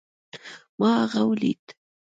ما هغه وليد